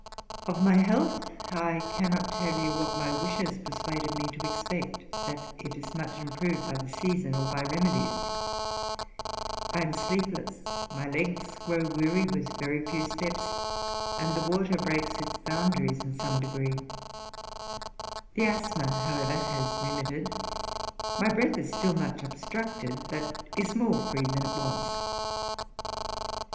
Of my health I cannot tell you, what my wishes persuaded me to expect, that it is much improved by the season or by remedies. I am sleepless; my legs grow weary with a very few steps, and the water breaks its boundaries in some degree. The asthma, however, has remitted; my breath is still much obstructed, but is more free than it was.